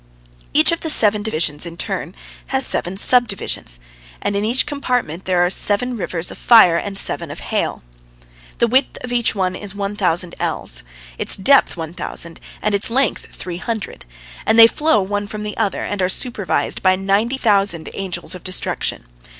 Each of the seven divisions in turn has seven subdivisions, and in each compartment there are seven rivers of fire and seven of hail. The width of each is one thousand ells, its depth one thousand, and its length three hundred, and they flow one from the other, and are supervised by ninety thousand Angels of Destruction.